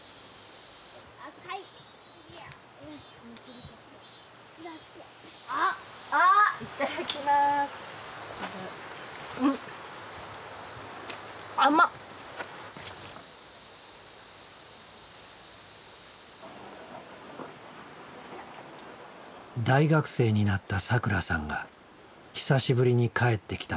大学生になったさくらさんが久しぶりに帰ってきたのだ。